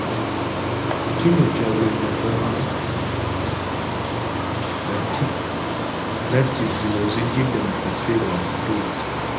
Ku kino Kyagulanyi agamba natti zino zijjidde mu kaseera akatuufu.